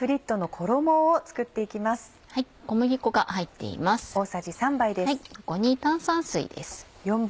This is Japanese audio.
ここに炭酸水です。